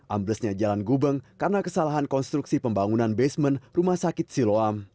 amblesnya jalan gubeng karena kesalahan konstruksi pembangunan basement rumah sakit siloam